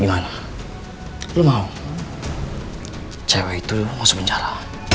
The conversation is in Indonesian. gimana lu mau cewek itu masuk penjara